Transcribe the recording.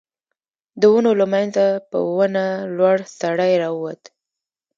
د ونو له مينځه په ونه لوړ سړی را ووت.